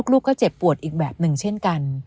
ลูกก็เจ็บปวดอีกแบบหนึ่งเช่นกัน